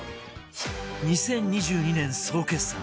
２０２２年総決算！